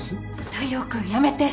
大陽君やめて。